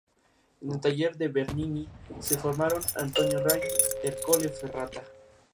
Se puede adquirir el billete en el autobús.